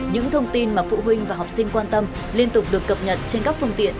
những thông tin mà phụ huynh và học sinh quan tâm liên tục được cập nhật trên các phương tiện